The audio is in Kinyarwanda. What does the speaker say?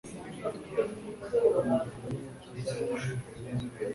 umurimo we wo mu isi uwo ari wo n'isano y'iby'umwuka bakwiriye kuzajya bagirana iyo ari yo.